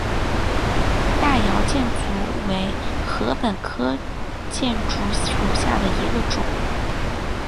大姚箭竹为禾本科箭竹属下的一个种。